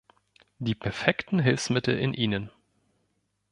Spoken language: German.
Die perfekten Hilfsmittel in ihnen.